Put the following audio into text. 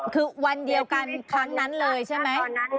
คือวันเดียวกันครั้งนั้นเลยใช่ไหม